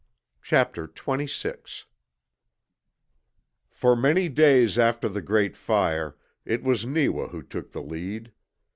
CHAPTER TWENTY SIX For many days after the Great Fire it was Neewa who took the lead.